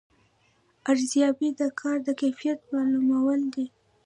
ارزیابي د کار د کیفیت معلومول دي